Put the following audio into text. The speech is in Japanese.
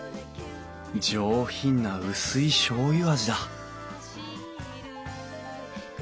上品な薄いしょうゆ味だ